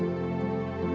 ada dia same